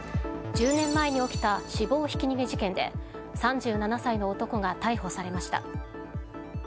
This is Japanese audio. １０年前に起きた死亡ひき逃げ事件で３７歳の男が逮捕されました。